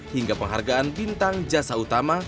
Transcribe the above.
hingga penghargaan bintang jasa utama